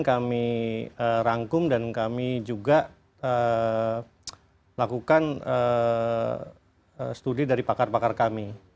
kami rangkum dan kami juga lakukan studi dari pakar pakar kami